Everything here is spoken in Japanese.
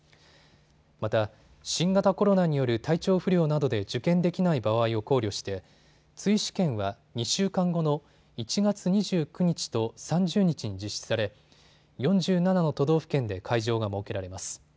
また、新型コロナによる体調不良などで受験できない場合を考慮して追試験は２週間後の１月２９日と３０日に実施され、４７の都道府県で会場が設けられます。